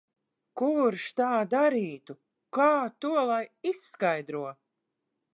Kurš tā darītu? Kā to lai izskaidro?